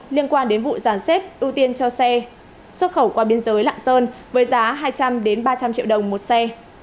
liên quan đến vụ giàn xếp ưu tiên cho xe xuất khẩu qua biên giới lạng sơn với giá hai trăm linh ba trăm linh triệu đồng một xe